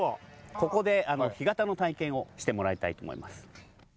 ここで干潟の体験をしてもらいたいと思います。